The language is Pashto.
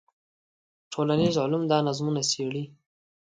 ټولنیز علوم دا نظمونه څېړي.